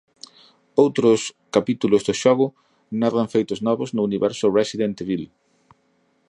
Outros capítulos do xogo narran feitos novos no universo Resident Evil.